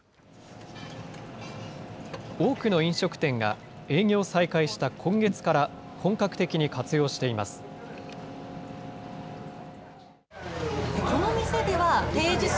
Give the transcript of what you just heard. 多くの飲食店が営業を再開した今月から本格的に活用しています。